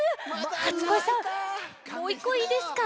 初恋さんもういっこいいですか？